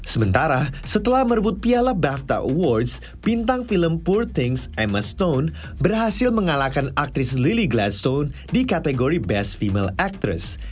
sementara setelah merebut piala bafta awards pintang film poor things emma stone berhasil mengalahkan aktris lily gladstone di kategori best female actress